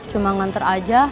cuma nganter aja